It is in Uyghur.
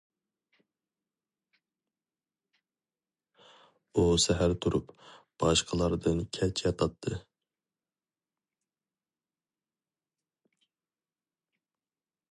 ئۇ سەھەر تۇرۇپ، باشقىلاردىن كەچ ياتاتتى.